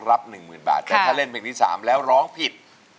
รับหนึ่งหมื่นบาทค่ะแต่ถ้าเล่นเพลงที่สามแล้วร้องผิด